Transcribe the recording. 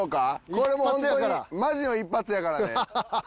これもうホントにマジの一発やからね。